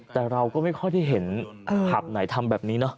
แต่เราก็ไม่ค่อยได้เห็นผับไหนทำแบบนี้เนอะ